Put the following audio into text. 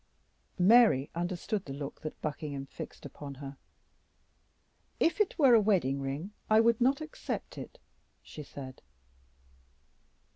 Mary understood the look that Buckingham fixed upon her. "If it were a wedding ring, I would not accept it," she said.